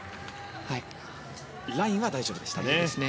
ラインは大丈夫でしたね。